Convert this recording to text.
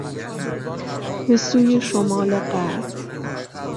به سوی شمال غرب